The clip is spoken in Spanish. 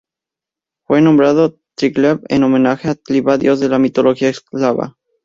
Fue nombrado Triglav en homenaje a Triglav dios de la mitología eslava.